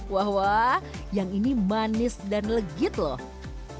wah wah yang ini manis dan legit loh